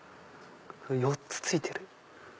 ４つついてる。